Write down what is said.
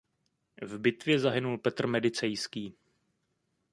V bitvě zahynul Petr Medicejský.